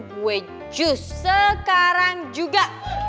bue jus sekarang juga